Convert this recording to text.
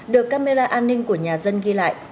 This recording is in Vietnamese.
được camera an ninh của nhà dân ghi lại